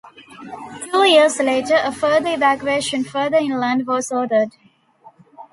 Two years later a further evacuation further inland was ordered.